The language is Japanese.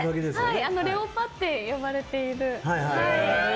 レオパって呼ばれている。